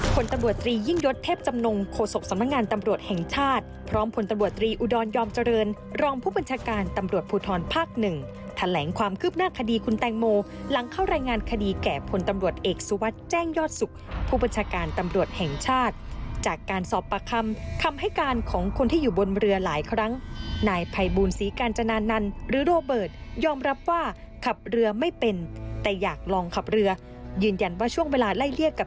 คุณแตงโมที่ทำธุระอยู่ท้ายเรือคุณแตงโมที่ทำธุระอยู่ท้ายเรือคุณแตงโมที่ทำธุระอยู่ท้ายเรือคุณแตงโมที่ทำธุระอยู่ท้ายเรือคุณแตงโมที่ทำธุระอยู่ท้ายเรือคุณแตงโมที่ทำธุระอยู่ท้ายเรือคุณแตงโมที่ทำธุระอยู่ท้ายเรือคุณแตงโมที่ทำธุระอยู่ท้ายเรือคุณแตงโมที่ทำ